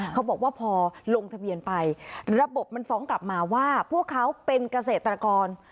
เขาบอกว่าพอลงทะเบียนไประบบมันฟ้องกลับมาว่าพวกเขาเป็นเกษตรกร